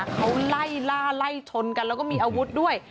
เขาไล่ล่าไล่ชนกันแล้วก็มีอาวุธด้วย